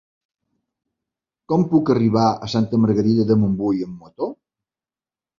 Com puc arribar a Santa Margarida de Montbui amb moto?